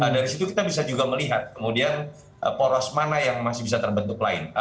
dari situ kita bisa juga melihat kemudian poros mana yang masih bisa terbentuk lain